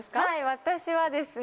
私はですね。